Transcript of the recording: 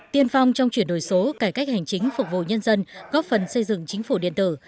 tiên phong trong chuyển đổi số cải cách hành chính phục vụ nhân dân góp phần xây dựng chính phủ điện tử